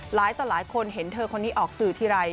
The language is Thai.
หลายคนเห็นเธอคนนี้ออกสื่อทีไร